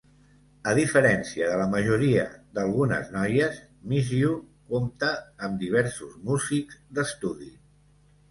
A diferència de la majoria d'"Algunes noies", "Miss You" compta amb diversos músics d'estudi.